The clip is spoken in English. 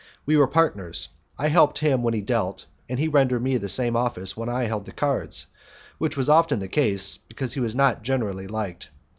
We were partners; I helped him when he dealt, and he rendered me the same office when I held the cards, which was often the case, because he was not generally liked.